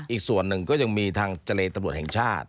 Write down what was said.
อีกส่วนนึงก็ยังมีทางจรภิโรนดร์ไอ้ชาติ